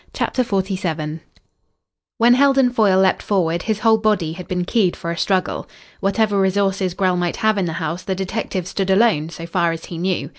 CHAPTER XLVII When Heldon Foyle leapt forward, his whole body had been keyed for a struggle. Whatever resources Grell might have in the house the detective stood alone, so far as he knew.